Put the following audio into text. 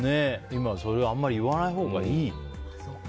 今それはあまり言わないほうがいい。